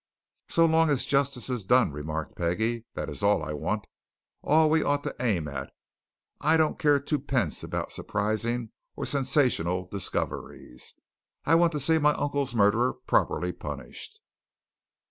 "So long as justice is done," remarked Peggie. "That is all I want all we ought to aim at. I don't care twopence about surprising or sensational discoveries I want to see my uncle's murderer properly punished."